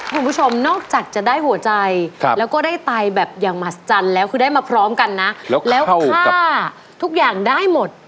คุณผู้ชมนอกจากจะได้หัวใจแล้วก็ได้ไตแบบอย่างมหัศจรรย์แล้วคือได้มาพร้อมกันนะแล้วค่าทุกอย่างได้หมด